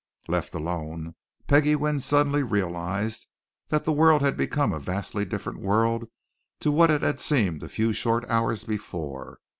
Left alone, Peggie Wynne suddenly realized that the world had become a vastly different world to what it had seemed a few short hours before.